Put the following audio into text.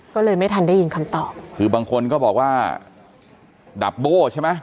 ก็เลยไม่ทันได้ยินคำตอบคือบางคนก็บอกว่าดับโบ้ใช่ไหม